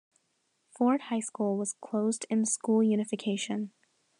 Ford High School was closed in school unification.